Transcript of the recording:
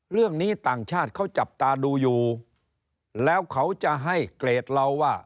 เรื่องนี้ต่างชาติเขาจับตาดูอยู่แล้วเขาจะให้เกรดเราว่า